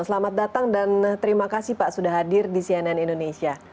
selamat datang dan terima kasih pak sudah hadir di cnn indonesia